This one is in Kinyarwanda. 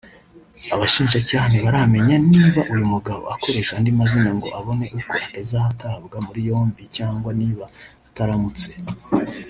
Abashinjacyaha ntibaramenya niba uyu mugabo akoresha andi mazina ngo abone uko atazatabwa muri yombi cyangwa niba atarmutse